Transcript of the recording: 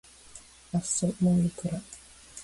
あっそもういいから